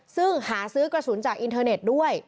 ซึ่งหาซื้อกระสุนจากอินเทอร์เน็ตด้วย